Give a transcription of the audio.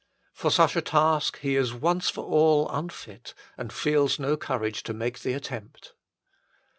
For such a task he is once for all unfit, and feels no courage to make the attempt.